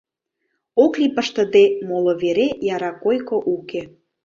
Ок лий пыштыде, моло вере яра койко уке.